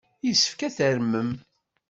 Yessefk ad tarmem.